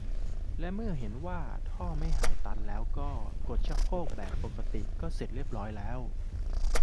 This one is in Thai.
และเมื่อเห็นว่าท่อไม่หายตันแล้วก็กดชักโครกแบบปกติก็เสร็จเรียบร้อย